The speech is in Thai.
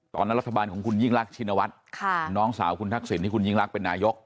ตอนนั้นรัฐบาลของคุณยิ่งรักชินวัฒน์น้องสาวคุณทักษิณที่คุณยิ่งรักเป็นนายก